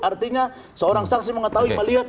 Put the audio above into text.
artinya seorang saksi mengetahui melihat